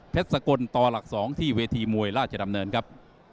สกลต่อหลัก๒ที่เวทีมวยราชดำเนินครับ